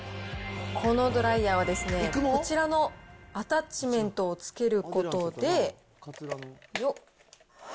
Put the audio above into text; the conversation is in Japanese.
このドライヤーは、こちらのアタッチメントをつけることで、よっ。